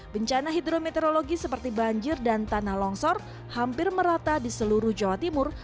bencana hidrometeorologi seperti banjir dan tanah longsor hampir merata di seluruh jawa timur